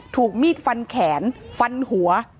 ถูกมีดฟันแขนฟันหัว